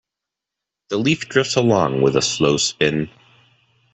The leaf drifts along with a slow spin.